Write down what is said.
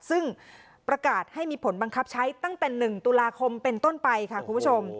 ซึ่งประกาศให้มีผลบังคับใช้ตั้งแต่๑ตุลาคมเป็นต้นไปค่ะคุณผู้ชม